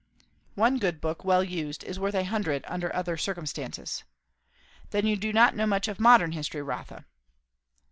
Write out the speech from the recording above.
"One good book, well used, is worth a hundred under other circumstances. Then you do not know much of modern history, Rotha?"